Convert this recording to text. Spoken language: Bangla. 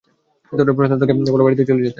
প্রশান্থ তাকে বলো বাড়িতে চলে যেতে।